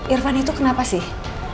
irfan itu kenapa sih